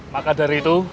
maka dari itu